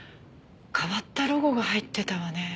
変わったロゴが入ってたわね。